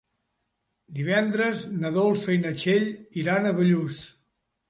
Divendres na Dolça i na Txell iran a Bellús.